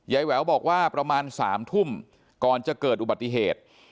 แหววบอกว่าประมาณ๓ทุ่มก่อนจะเกิดอุบัติเหตุ